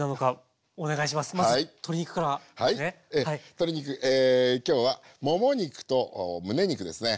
鶏肉今日はもも肉とむね肉ですね。